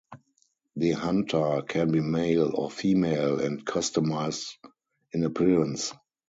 The Hunter can be male or female and customized in appearance.